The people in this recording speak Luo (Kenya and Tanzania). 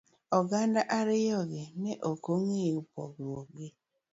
Oganda ariyo gi ne okeng'eyo pogruok gi.